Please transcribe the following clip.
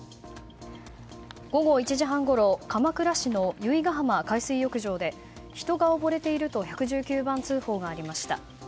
午後１時半ごろ鎌倉市の由比ガ浜海水浴場で人が溺れていると１１９番通報がありました。